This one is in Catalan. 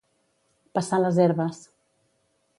Passar les herbes.